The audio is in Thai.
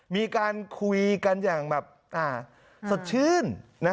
มีการคุยกันแบบสดชื่น